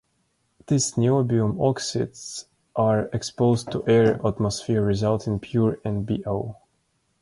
These niobium oxides are exposed to air atmosphere resulting in pure NbO.